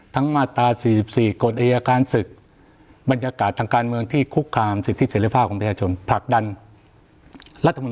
ทั้งมาตราสี่สิบสี่กฎอิยาการศึกษ์บรรยากาศทางการเมืองที่คุกคามสิทธิเสร็จภาพของประชาชน